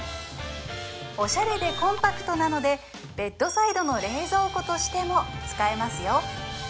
オシャレでコンパクトなのでベッドサイドの冷蔵庫としても使えますよ